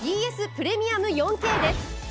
プレミアム４Ｋです。